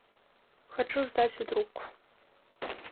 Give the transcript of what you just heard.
Хачу здаць у друк.